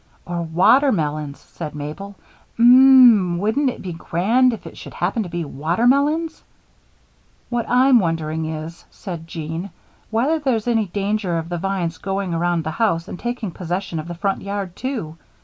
"Or watermelons," said Mabel. "Um m! wouldn't it be grand if it should happen to be watermelons?" "What I'm wondering is," said Jean, "whether there's any danger of the vine's going around the house and taking possession of the front yard, too.